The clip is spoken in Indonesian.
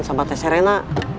sama tess serena